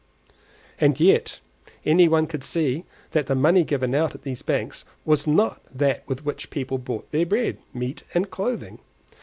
And yet any one could see that the money given out at these banks was not that with which people bought their bread, meat, and clothing.